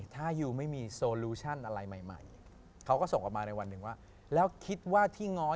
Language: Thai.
เธอไม่คิดจะง้อเลยเหรอ